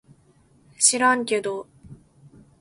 しらんけど